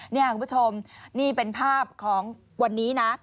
นี่คุณผู้ชมนี่เป็นภาพของวันนี้นะ